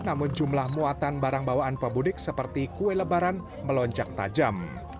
namun jumlah muatan barang bawaan pemudik seperti kue lebaran melonjak tajam